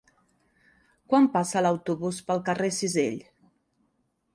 Quan passa l'autobús pel carrer Cisell?